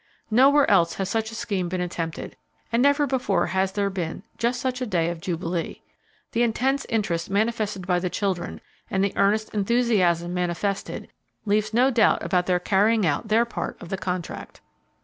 Nowhere else has such a scheme been attempted, and never before has there been just such a day of jubilee. The intense interest manifested by the children, and the earnest enthusiasm manifested, leaves no doubt about their carrying out their part of the contract.